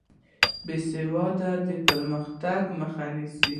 بېسوادي د پرمختګ مخه نیسي.